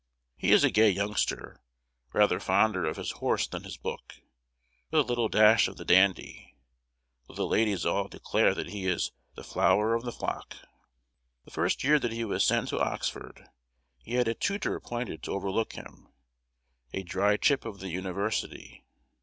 He is a gay youngster, rather fonder of his horse than his book, with a little dash of the dandy; though the ladies all declare that he is "the flower of the flock." The first year that he was sent to Oxford, he had a tutor appointed to overlook him, a dry chip of the university.